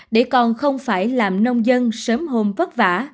để con không phải làm nông dân sớm hôn vất vả